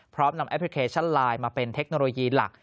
พร้อมนำแอปพลิเคชันไลน์มาเป็นเทคโนโลยีหลัก